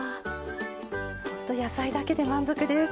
ほんと野菜だけで満足です。